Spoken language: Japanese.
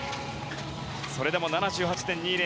それでも７８．２０。